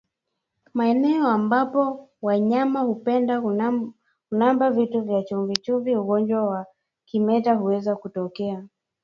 Maeneo ambapo wanyama hupenda kulamba vitu vya chumvichumvi ugonjwa wa kimeta huweza kutokea